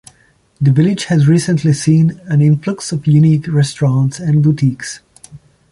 The village has recently seen an influx of unique restaurants and boutiques.